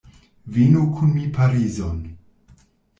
Venu kun mi Parizon.